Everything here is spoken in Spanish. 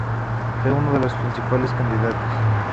Fue uno de los principales candidatos.